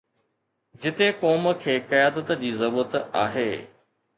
جتي قوم کي قيادت جي ضرورت آهي.